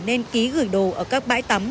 nên ký gửi đồ ở các bãi tắm